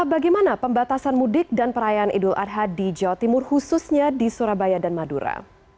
bagaimana pembatasan mudik dan perayaan idul adha di jawa timur khususnya di surabaya dan madura